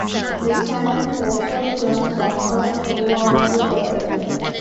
The channel focused on soccer throughout the world.